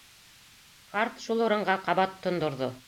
Ҡарт шул урынға ҡабат тондорҙо.